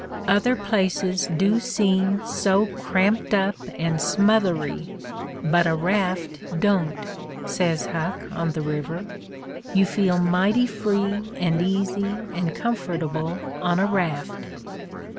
"Other places do seem so cramped up and smothery, but a raft don't," says Huck, on the river; "you feel mighty free and easy and comfortable on a raft."